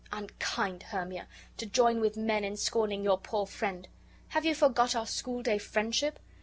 Unkind Hermia, to join with men in scorning your poor friend. Have you forgot our schoolday friendship?